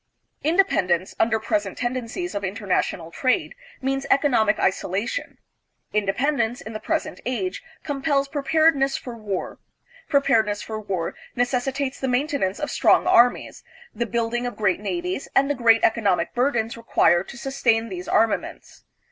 Independence, under present tendencies of international trade, means economic isolation. Inde pendence, in the present age, compels preparedness for war; preparedness for war necessitates the maintenance of strong armies, the building of great navies, and the great economic burdens required to sustain these armaments.